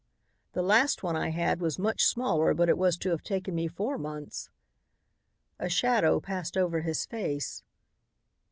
"The last one I had was much smaller but it was to have taken me four months." A shadow passed over his face.